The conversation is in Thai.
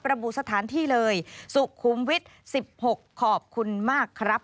ระบุสถานที่เลยสุขุมวิทย์๑๖ขอบคุณมากครับ